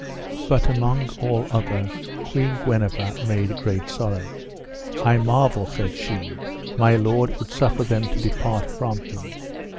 But among all other Queen Guenever made great sorrow. I marvel, said she, my lord would suffer them to depart from him.